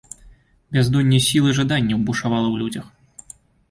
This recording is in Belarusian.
Бяздонне сіл і жаданняў бушавала ў людзях.